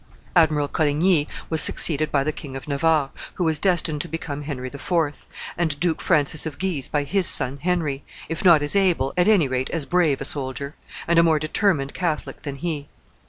Admiral Coligny was succeeded by the King of Navarre, who was destined to become Henry IV.; and Duke Francis of Guise by his son Henry, if not as able, at any rate as brave a soldier, and a more determined Catholic than he.